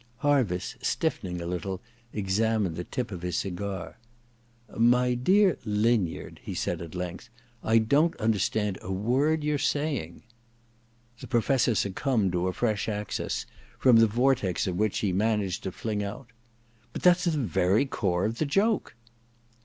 Harviss, stiffening a little, examined the tip of his cigar. *My dear linyard,' he said at length, *I don't understand a word you're saying.' The Professor succumbed to a fresh access, from the vortex of which he managed to 1 6 THE DESCENT OF MAN ii fling out — *But that's the very core of the joke